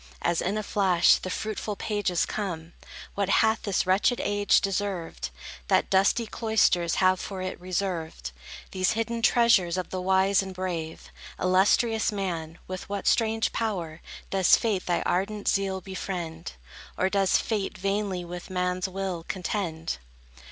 As in a flash the fruitful pages come, What hath this wretched age deserved, That dusty cloisters have for it reserved These hidden treasures of the wise and brave? Illustrious man, with what strange power Does Fate thy ardent zeal befriend? Or does Fate vainly with man's will contend?